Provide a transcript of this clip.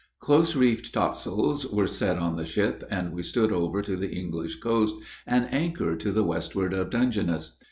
Close reefed topsails were set on the ship and we stood over to the English coast, and anchored to the westward of Dungeness.